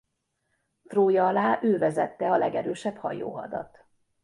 Trója alá ő vezette a legerősebb hajóhadat.